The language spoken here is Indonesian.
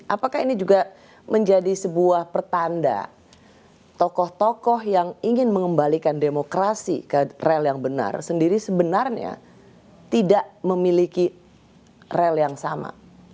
apakah ini juga menjadi sebuah pertanda tokoh tokoh yang ingin mengembalikan demokrasi ke rel yang benar sendiri sebenarnya tidak memiliki rel yang sama